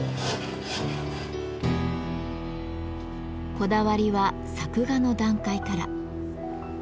こだわりは作画の段階から。